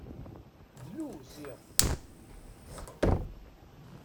Dlu ziɣ.